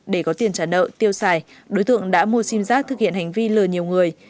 để có tiền trả nợ tiêu xài đối tượng đã mua sim giác thực hiện hành vi lừa nhiều người